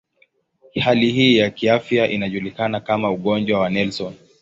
Hali hii ya kiafya inajulikana kama ugonjwa wa Nelson.